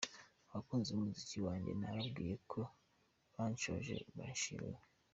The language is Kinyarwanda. Abakunzi b’umuziki wanjye nababwira ko bashonje bahishiwe.